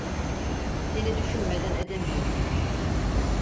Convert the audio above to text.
Seni düşünmeden edemiyorum.